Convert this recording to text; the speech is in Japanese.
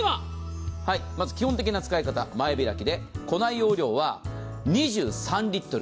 まず基本的な使い方、前開きで庫内容量は２３リットル。